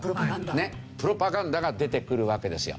プロパガンダが出てくるわけですよ。